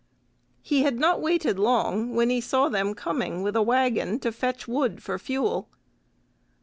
He had not waited long, when he saw them coming with a waggon to fetch wood for fuel.